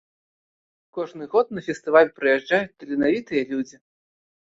Кожны год на фестываль прыязджаюць таленавітыя людзі.